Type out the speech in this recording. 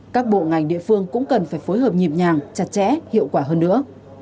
các bộ ngành địa phương cũng cần phải phối hợp nhịp nhàng chặt chẽ hiệu quả hơn nữa